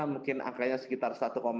mungkin akarnya sekitar satu tujuh satu delapan